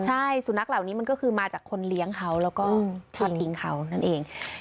ใช่สุนัขเหล่านี้มันก็คือมาจากคนเลี้ยงเขาแล้วก็มาทิ้งเขานั่นเอง